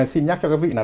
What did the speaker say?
xin nhắc cho các vị là